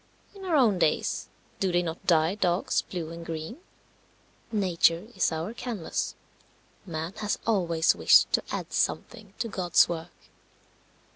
In our own days do they not dye dogs blue and green? Nature is our canvas. Man has always wished to add something to God's work.